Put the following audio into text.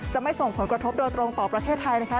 ไม่ส่งผลกระทบโดยตรงต่อประเทศไทยนะคะ